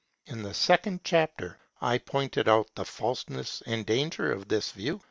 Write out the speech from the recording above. In the second chapter, I pointed out the falseness and danger of this view.